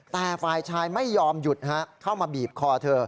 แต่ฝ่ายชายไม่ยอมหยุดเข้ามาบีบคอเธอ